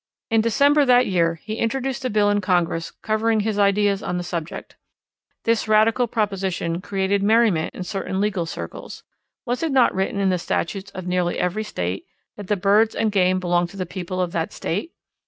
In December that year he introduced a bill in Congress covering his ideas on the subject. This radical proposition created merriment in certain legal circles. Was it not written in the statutes of nearly every state that the birds and game belong to the people of the state?